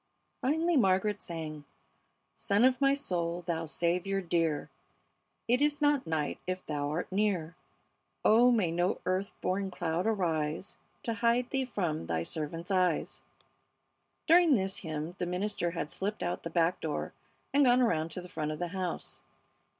Finally Margaret sang: "Sun of my soul, Thou Saviour dear, It is not night if Thou art near, Oh, may no earth born cloud arise To hide Thee from Thy servant's eyes." During this hymn the minister had slipped out the back door and gone around to the front of the house.